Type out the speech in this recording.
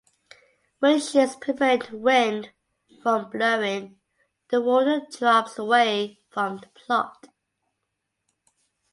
Windshields prevent wind from blowing the water drops away from the plot.